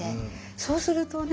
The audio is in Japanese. そうするとね